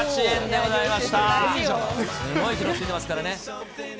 すごい機能ついてますからね。